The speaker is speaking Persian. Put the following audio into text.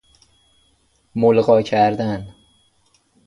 ملغی کردن